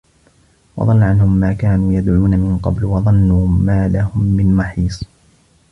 وَضَلَّ عَنهُم ما كانوا يَدعونَ مِن قَبلُ وَظَنّوا ما لَهُم مِن مَحيصٍ